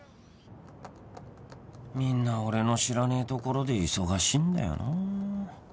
みんな俺の知らねえところで忙しいんだよなぁ